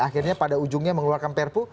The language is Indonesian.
akhirnya pada ujungnya mengeluarkan perpu